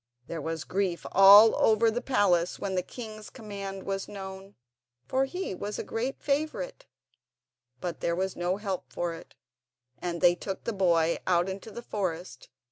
There was grief all over the palace when the king's command was known, for he was a great favourite. But there was no help for it, and they took the boy out into the forest.